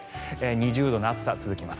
２０度の暑さが続きます。